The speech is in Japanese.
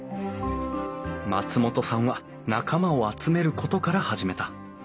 松本さんは仲間を集めることから始めた。